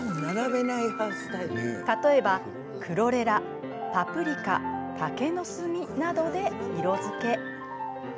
例えば、クロレラ、パプリカ竹の炭などで色づけ。